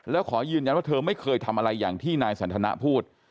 แล้วขอยืนยันว่าเธอไม่เคยทำอะไรอย่างที่นายสันทนาพูด